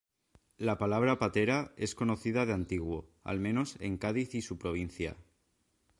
La palabra patera es conocida de antiguo, al menos en Cádiz y su provincia.